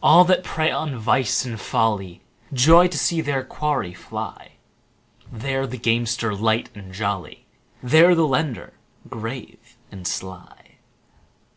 All that prey on vice and folly Joy to see their quarry fly: There the gamester, light and jolly, 15 There the lender, grave and sly.